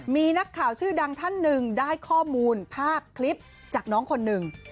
มีนักข่าวชื่อดังท่านหนึ่งได้ข้อมูลภาพคลิปจากน้องคนหนึ่ง